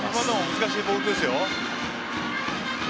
難しいボールですよ。